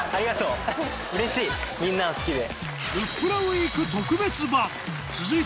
うれしいみんな好きで。